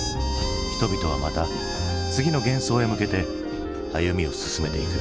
人々はまた次の幻想へ向けて歩みを進めていく。